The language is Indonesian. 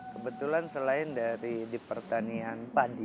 kebetulan selain dari di pertanian padi